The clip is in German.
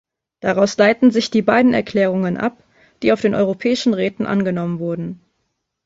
Daraus leiten sich die beiden Erklärungen ab, die auf den Europäischen Räten angenommen wurden.